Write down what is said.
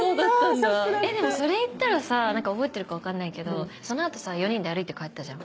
えっでもそれいったらさ覚えてるか分かんないけどその後４人で歩いて帰ったじゃん。